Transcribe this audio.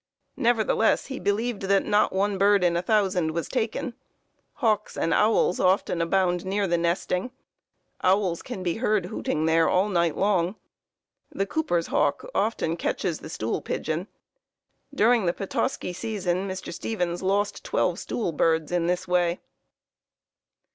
Nevertheless he believed that not one bird in a thousand was taken. Hawks and owls often abound near the nesting. Owls can be heard hooting there all night long. The cooper's hawk often catches the stool pigeon. During the Petoskey season Mr. Stevens lost twelve stool birds in this way.